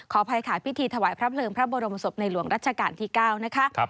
อภัยค่ะพิธีถวายพระเพลิงพระบรมศพในหลวงรัชกาลที่๙นะคะ